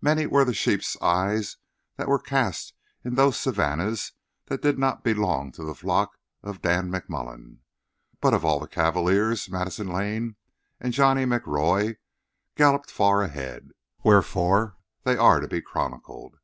Many were the sheeps' eyes that were cast in those savannas that did not belong to the flocks of Dan McMullen. But of all the cavaliers, Madison Lane and Johnny McRoy galloped far ahead, wherefore they are to be chronicled.